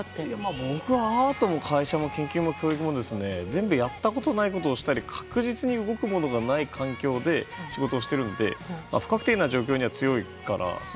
僕は会社も研究も教育も全部やったことがないことを確実に動くものではない環境で仕事をしているので不確定ない状況には強いかなと。